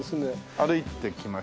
歩いてきました。